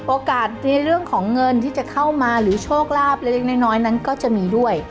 โอกาสในเรื่องของเงินที่จะเข้ามาหรือโชคลาภเล็กน้อยนั้นก็จะมีด้วย